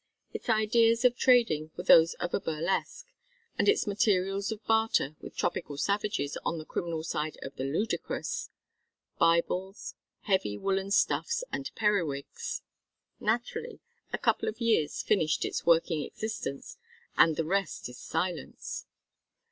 Its ideas of trading were those of a burlesque, and its materials of barter with tropical savages on the criminal side of the ludicrous bibles, heavy woollen stuffs and periwigs! Naturally a couple of years finished its working existence and "The rest is silence."